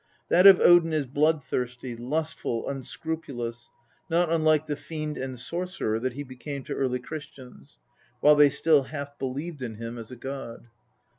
That of Odin is blood thirsty, lustful, unscrupulous, not unlike the fiend and sorcerer that he became to early Christians, while they still half believed in him as a god.